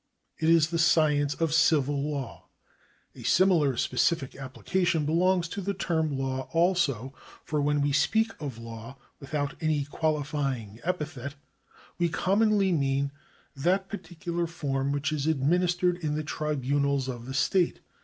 It is the science of civil law. A similar specific application belongs to the term law also, for when we speak of law with out any qualifying epithet, we commonly mean that par ticular form which is administered in the tribunals of the state.